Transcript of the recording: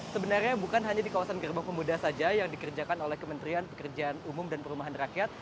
sebenarnya bukan hanya di kawasan gerbang pemuda saja yang dikerjakan oleh kementerian pekerjaan umum dan perumahan rakyat